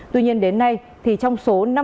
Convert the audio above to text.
tuy nhiên đến nay trong số năm mươi